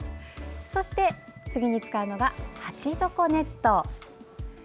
そして、次に使うのが鉢底ネット。